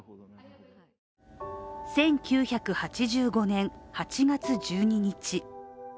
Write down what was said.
１９８５年８月１２日。